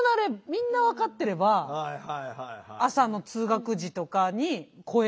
みんな分かってれば朝の通学時とかに声がけとか。